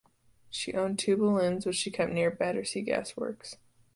She owned two balloons which she kept near Battersea gas works.